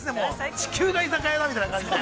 地球が居酒屋だみたいな感じで。